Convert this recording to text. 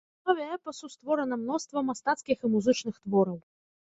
На аснове эпасу створана мноства мастацкіх і музычных твораў.